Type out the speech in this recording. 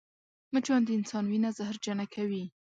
مچان د انسان وینه زهرجنه کوي